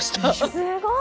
すごい！